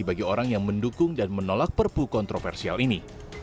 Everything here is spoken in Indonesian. bagi orang yang mendukung dan menolak perpu kontroversial ini